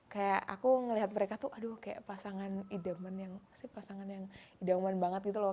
kayak aku ngeliat mereka tuh aduh kayak pasangan idaman yang sih pasangan yang idaman banget gitu loh